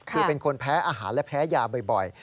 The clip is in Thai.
คือเป็นคนแพ้อาหารและแพ้ยาบ่อย